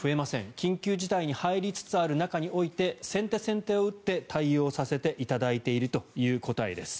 緊急事態に入りつつある中において先手先手を打って対応させていただいているという答えです。